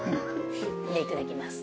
いただきます。